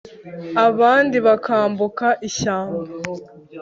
abandi bakambuka ishyamba